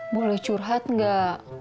boleh curhat gak